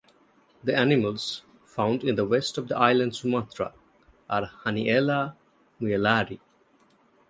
The animals found in the west of the island Sumatra are "Haaniella muelleri".